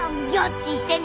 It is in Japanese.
ちしてね！